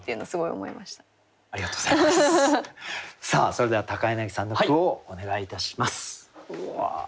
それでは柳さんの句をお願いいたします。